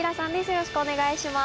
よろしくお願いします。